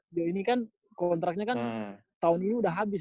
beliau ini kan kontraknya kan tahun ini udah habis